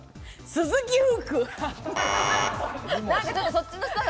鈴木福。